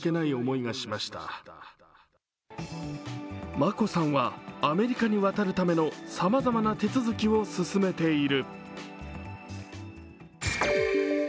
眞子さんはアメリカに渡るための様々な手続きを進めている。